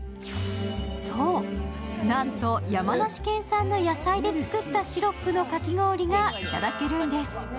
そう、なんと山梨県産の野菜で作ったシロップのかき氷がいただけるんです。